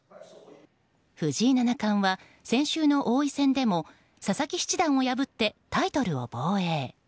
藤井七冠は先週の王位戦でも佐々木七段を破ってタイトルを防衛。